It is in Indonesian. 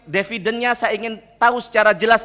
dividennya saya ingin tahu secara jelas